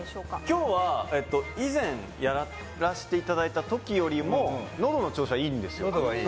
今日は以前やらせていただいた時よりものどの調子はいいんですよ。